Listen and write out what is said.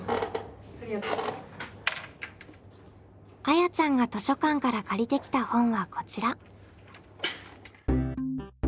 あやちゃんが図書館から借りてきた本はこちら。